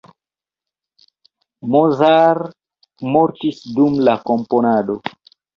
Mozart mortis dum la komponado.